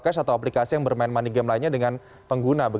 cash atau aplikasi yang bermain money game lainnya dengan pengguna